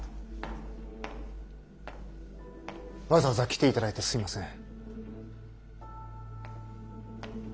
わざわざ来ていただいてすみません。